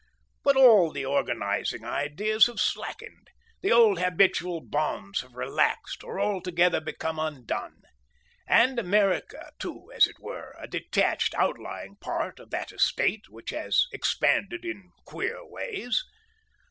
But all the organizing ideas have slackened, the old habitual bonds have relaxed or altogether come undone. And America too, is, as it were, a detached, outlying part of that estate which has expanded in queer ways.